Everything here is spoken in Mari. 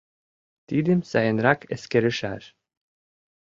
Тидым сайынрак эскерышаш.